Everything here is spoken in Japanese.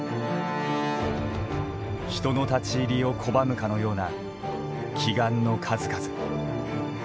人の立ち入りを拒むかのような奇岩の数々。